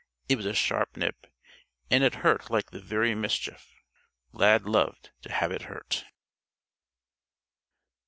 It was a sharp nip; and it hurt like the very mischief. Lad loved to have it hurt.